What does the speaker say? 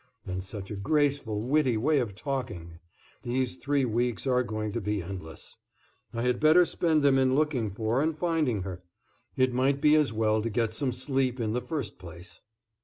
And such a graceful, witty way of talking! These three weeks are going to be endless. I had better spend them in looking for and finding her. It might be as well to get some sleep in the first place!"